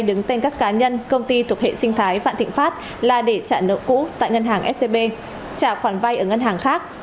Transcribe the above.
đứng tên các cá nhân công ty thuộc hệ sinh thái vạn thịnh pháp là để trả nợ cũ tại ngân hàng scb trả khoản vay ở ngân hàng khác